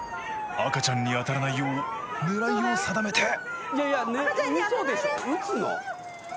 赤ちゃんに当たらないよう狙いを定めてえっ！？